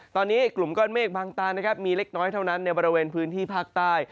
ตอนนี้กลุ่มก้อนเมฆบางตานะครับมีเล็กน้อยเท่านั้นในบริเวณพื้นที่ภาคใต้